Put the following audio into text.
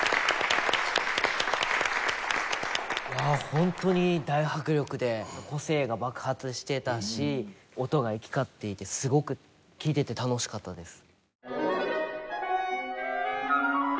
ホントに大迫力で個性が爆発してたし音が行き交っていてすごく聴いてて楽しかったです。